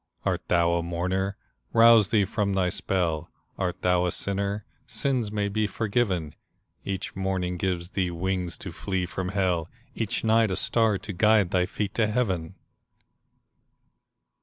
Art thou a mourner? Rouse thee from thy spell ; Art thou a sinner? Sins may be forgiven ; Each morning gives thee wings to flee from hell, Each night a star to guide thy feet to heaven.